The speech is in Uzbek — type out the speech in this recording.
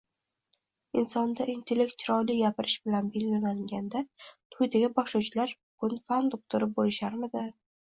Insonda intellekt chiroyli gapirish bilan belgilanganida to‘ydagi boshlovchilar bugun fan doktori bo‘lisharmidi...